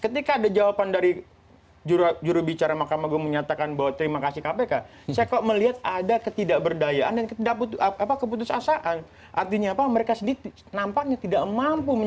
tidak mampu dan tidak mau